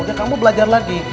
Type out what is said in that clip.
kemudian kamu belajar lagi